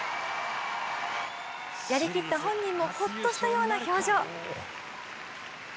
やりきった本人もホッとしたような表情。